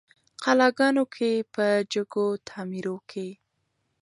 قلاګانو کي په جګو تعمیرو کي